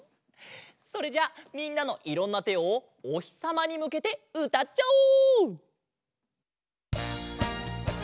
それじゃあみんなのいろんなてをおひさまにむけてうたっちゃおう！